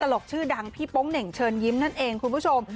ลกชื่อดังพี่โป๊งเหน่งเชิญยิ้มนั่นเองคุณผู้ชม